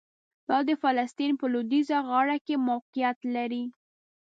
دا د فلسطین په لویدیځه غاړه کې موقعیت لري.